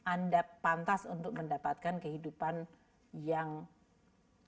anda pantas untuk mendapatkan kehidupan yang berhasil